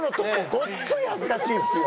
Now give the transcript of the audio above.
ごっつい恥ずかしいんすよ。